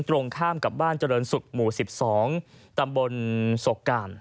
ตรงข้ามกับบ้านเจริญสุกหมูสิบสองตำบลศกกาล